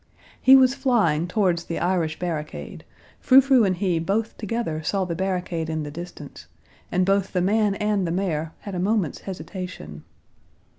He was flying towards the Irish barricade, Frou Frou and he both together saw the barricade in the distance, and both the man and the mare had a moment's hesitation.